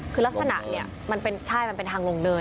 คือลักษณะเนี่ยมันเป็นใช่มันเป็นทางลงเนิน